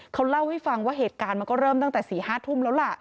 เขาเล่าให้ฟังว่าเหตุการณ์มันก็เริ่มตั้งแต่๔๕ทุ่มแล้วล่ะ